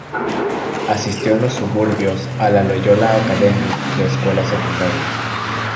Asistió en los suburbios a la "Loyola Academy" de escuela secundaria.